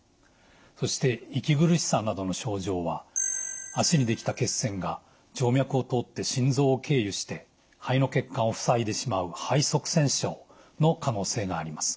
そして息苦しさなどの症状は脚にできた血栓が静脈を通って心臓を経由して肺の血管をふさいでしまう肺塞栓症の可能性があります。